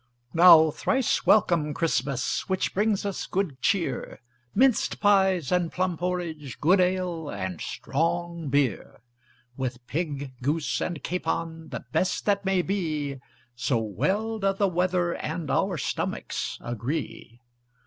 Now thrice welcome, Christmas, Which brings us good cheer, Minced pies and plum porridge, Good ale and strong beer; With pig, goose, and capon, The best that may be, So well doth the weather And our stomachs agree.